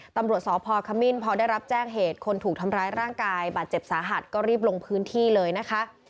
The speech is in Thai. ตำรวจสพคมิ้นพอได้รับแจ้งเหตุคนถูกทำร้ายร่างกายบาดเจ็บสาหัสก็รีบลงพื้นที่เลยนะคะ